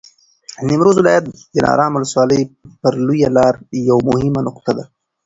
د نیمروز ولایت دلارام ولسوالي پر لویه لاره یوه مهمه نقطه ده.